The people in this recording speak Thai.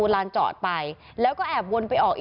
กระทั่งตำรวจก็มาด้วยนะคะ